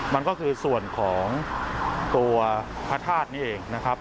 มันก็คือส่วนของตัวพระธาตุนี่เองนะครับ